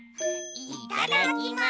いただきます！